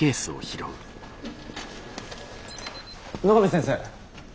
野上先生。